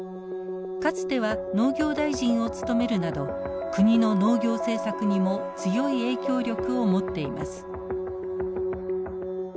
かつては農業大臣を務めるなど国の農業政策にも強い影響力を持っています。